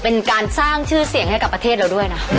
เป็นการสร้างชื่อเสียงให้กับประเทศเราด้วยนะ